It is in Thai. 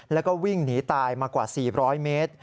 แล้วก็วิ่งหนีตายมากว่า๔๐๐เมตร